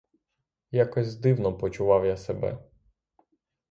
Якось дивно почував я себе.